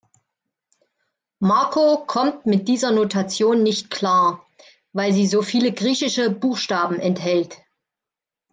Marco kommt mit dieser Notation nicht klar, weil sie so viele griechische Buchstaben enthält.